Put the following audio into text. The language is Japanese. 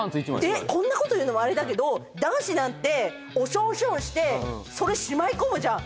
えっこんなこと言うのもあれだけど男子なんておしょうしょうしてそれしまい込むじゃん？